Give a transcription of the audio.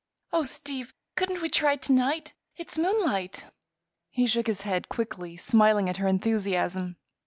"Oh, Steve! couldn't we try it to night? It's moonlight." He shook his head quickly, smiling at her enthusiasm.